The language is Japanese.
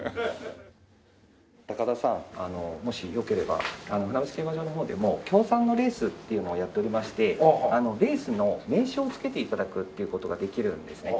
高田さんもしよければ船橋競馬場の方でも協賛のレースっていうのをやっておりましてレースの名称を付けて頂くっていう事ができるんですね。